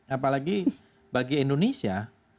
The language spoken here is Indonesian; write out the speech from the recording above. apalagi bagi indonesia